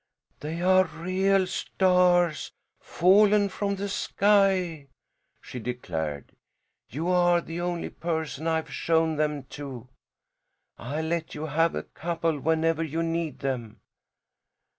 "They are real stars fallen from the sky," she declared. "You are the only person I've shown them to. I'll let you have a couple whenever you need them."